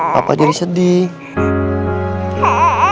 papa jadi sedih